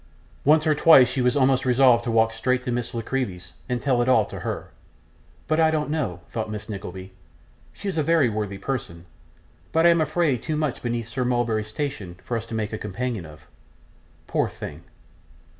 Once or twice she almost resolved to walk straight to Miss La Creevy's and tell it all to her. 'But I don't know,' thought Mrs Nickleby; 'she is a very worthy person, but I am afraid too much beneath Sir Mulberry's station for us to make a companion of. Poor thing!